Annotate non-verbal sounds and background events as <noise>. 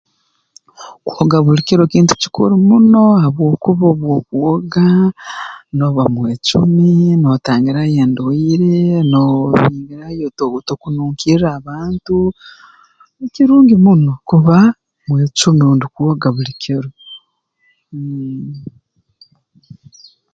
Kwoga buli kiro kintu kikuru muno habwokuba obu okwoga nooba mwecumi nootangirayo endwaire <unintelligible> tokununkirra abantu kirungi muno kuba mwecumi rundi kwoga buli kiro mmh